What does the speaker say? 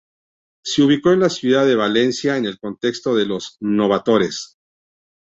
Se ubicó en la ciudad de Valencia, en el contexto de los "novatores".